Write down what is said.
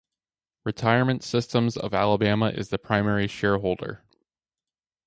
Retirement Systems of Alabama is the primary shareholder.